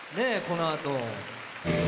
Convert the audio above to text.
このあと。